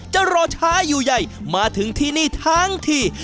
จะรอช้าอยู่ใหญ่มาถึงที่นี่ทั้งที